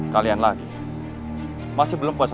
yang pertama lakukan arahan ayam hukuman